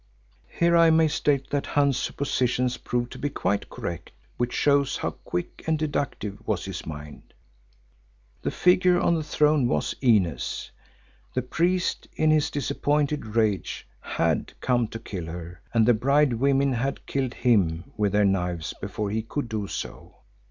Here I may state that Hans' suppositions proved to be quite correct, which shows how quick and deductive was his mind. The figure on the throne was Inez; the priest in his disappointed rage had come to kill her, and the bride women had killed him with their knives before he could do so.